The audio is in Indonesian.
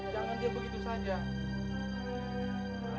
jangan dia begitu saja